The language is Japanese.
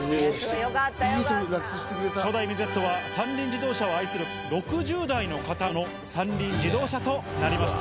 初代ミゼットは、三輪自動車を愛する６０代の方の三輪自動車となりました。